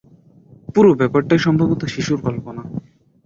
পুরো ব্যাপারটাই সম্ভবত শিশুর কল্পনা।